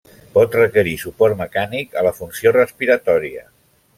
Pot requerir suport mecànic a la funció respiratòria.